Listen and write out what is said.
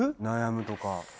悩むとか。